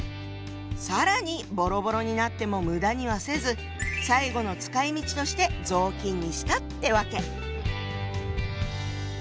更にボロボロになっても無駄にはせず最後の使いみちとして雑巾にしたってわけ。